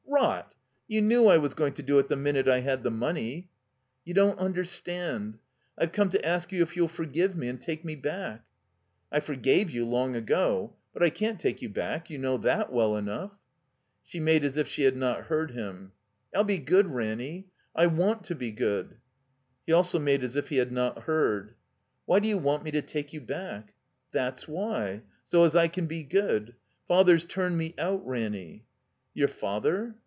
"Rot! You knew I was going to do it the minute I had the money." "You don't tmderstand, I've come to ask you if you'll forgive me — and take me back." "I forgave you long ago. But I can't take you back. You know that well enough." She made as if she had not heard him. "I'll be good, Ranny. I want to be good." He also made as if he had not heard. "Why do you want me to take you back?" "That's why. So as I can be good. Father's turned me out, Ranny." "Your father?"